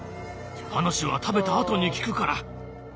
話は食べたあとに聞くから。